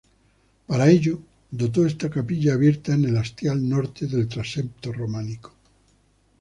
Para ello dotó esta capilla, abierta en el hastial norte del transepto románico.